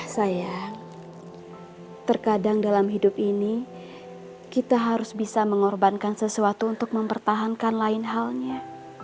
saya terkadang dalam hidup ini kita harus bisa mengorbankan sesuatu untuk mempertahankan lain halnya